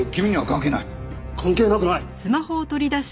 関係なくない！